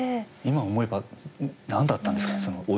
今思えば何だったんですかね？